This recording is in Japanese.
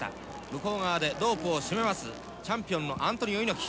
向こうでロープを締めますチャンピオンのアントニオ猪木。